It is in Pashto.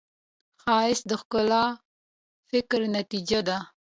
ښایست د ښکلي فکر نتیجه ده